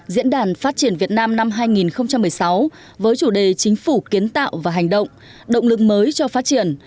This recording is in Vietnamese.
diễn đàn phát triển việt nam năm hai nghìn một mươi sáu với chủ đề chính phủ kiến tạo và hành động động lực mới cho phát triển